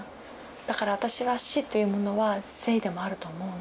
だから私は「死」というものは「生」でもあると思うの。